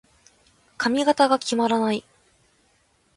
髪型が決まらない。